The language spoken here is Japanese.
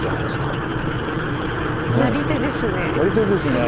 やり手ですね。